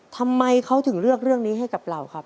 ทำไมเขาถึงเลือกเรื่องนี้ให้กับเราครับ